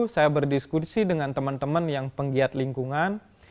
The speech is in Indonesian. saya berdiskusi dengan teman teman yang penggiat lingkungan